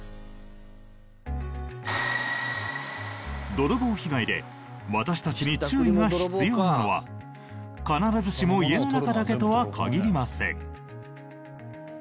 泥棒被害で私たちに注意が必要なのは必ずしも家の中だけとは限りません。